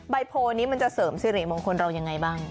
ใบโพลนี้จะเสริมซีริมองคลเราอย่างไรบ้าง